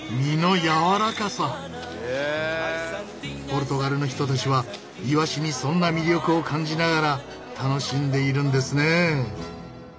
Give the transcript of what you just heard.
ポルトガルの人たちはイワシにそんな魅力を感じながら楽しんでいるんですね。